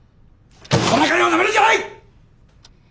事なかれをなめるんじゃない！